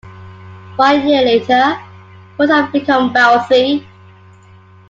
One year later both have become wealthy.